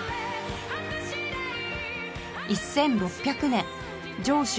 １６００年城主